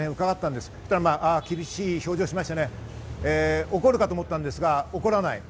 すると厳しい表情しまして、怒るかと思ったんですが怒らない。